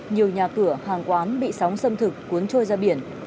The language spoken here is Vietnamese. nhiều nhà cửa hàng quán bị sóng xâm thực cuốn trôi ra biển